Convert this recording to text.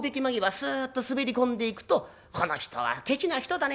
スッと滑り込んでいくとこの人はケチな人だね